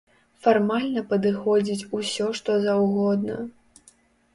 Фармальна падыходзіць усё што заўгодна.